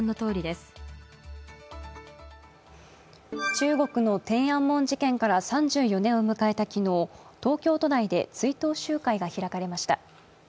中国の天安門事件から３４年を迎えた昨日東京都内で追悼集会が開かれました。